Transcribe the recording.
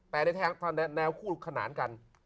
แต่ในแนวของทางนี้คือขนานกัน